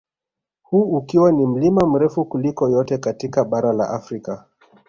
Huu ukiwa ni mlima mrefu kuliko yote katika bara la Afrika